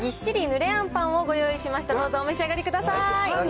ぬれあんぱんをご用意しました、どうぞお召し上がりください。